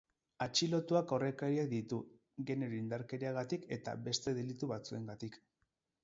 Atxilotuak aurrekariak ditu genero indarkeriagatik eta beste delitu batzuengatik.